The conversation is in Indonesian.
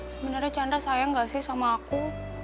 sebenarnya canda sayang gak sih sama aku